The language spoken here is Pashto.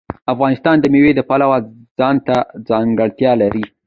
افغانستان د مېوې د پلوه ځانته ځانګړتیا لري.